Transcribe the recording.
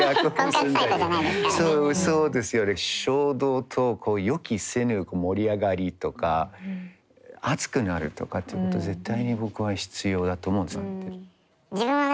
そうですよね衝動と予期せぬ盛り上がりとか熱くなるとかっていうこと絶対に僕は必要だと思うんです。